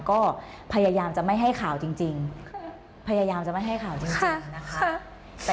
ก็พยายามจะไม่ให้ข่าวจริงพยายามจะไม่ให้ข่าวจริงนะคะ